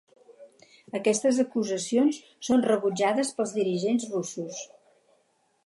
Aquestes acusacions són rebutjades pels dirigents russos.